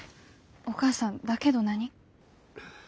お母さん「だけど」何？